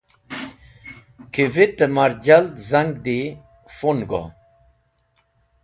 Kivitẽ mar jald zang di/ fun go.